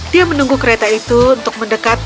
dia menunggu kereta itu untuk mendekat